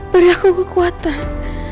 beri aku kekuatan